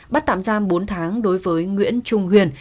bắt tạm giam bốn tháng đối với nguyễn trung huyền